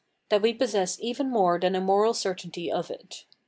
That we possess even more than a moral certainty of it.